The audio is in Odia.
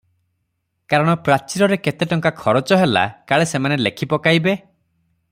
କାରଣ ପ୍ରାଚୀରରେ କେତେ ଟଙ୍କା ଖରଚ ହେଲା, କାଳେସେମାନେ ଲେଖିପକାଇବେ ।